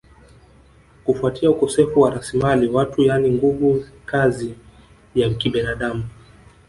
kufuatia ukosefu wa rasilimali watu yani nguvu kazi ya kibinadamu